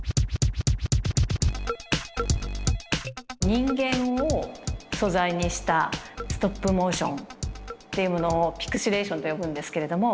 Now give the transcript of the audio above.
人間を素材にしたストップモーションっていうものをピクシレーションと呼ぶんですけれども。